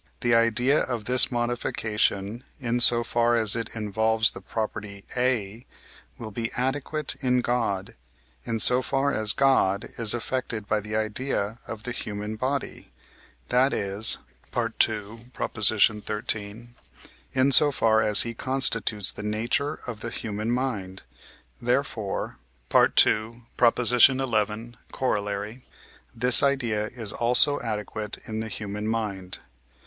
the idea of this modification, in so far as it involves the property A, will be adequate in God, in so far as God is affected by the idea of the human body; that is (II. xiii.), in so far as he constitutes the nature of the human mind; therefore (II. xi. Coroll.) this idea is also adequate in the human mind.